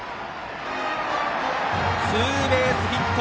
ツーベースヒット。